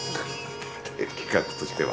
企画としては。